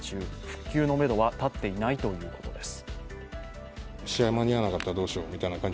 復旧のめどは立っていないということです。